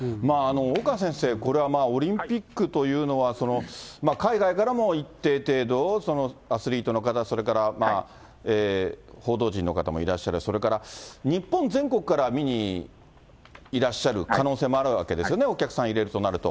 岡先生、これはオリンピックというのは、海外からも一定程度、アスリートの方、それから報道陣の方もいらっしゃる、それから、日本全国から見にいらっしゃる可能性もあるわけですよね、お客さん入れるとなると。